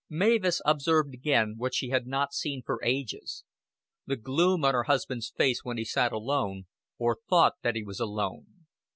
Mavis observed again what she had not seen for ages, the gloom on her husband's face when he sat alone, or thought that he was alone.